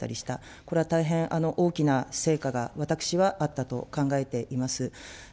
これは大変大きな成果が、私はあったと考えています。